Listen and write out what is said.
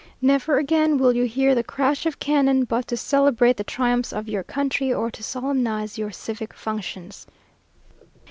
_Never again will you hear the crash of cannon but to celebrate the triumphs of your country, or to solemnize your civic functions."